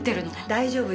大丈夫よ。